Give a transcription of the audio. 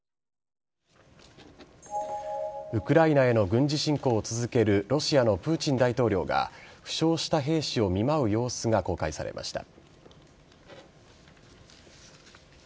ウクライナへの軍事侵攻を続けるロシアのプーチン大統領が負傷した兵士を見舞う様子が公開されました。